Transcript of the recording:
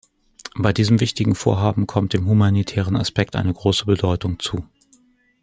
Bei diesem wichtigen Vorhaben kommt dem humanitären Aspekt eine große Bedeutung zu.